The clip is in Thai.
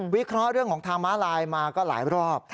เคราะห์เรื่องของทางม้าลายมาก็หลายรอบ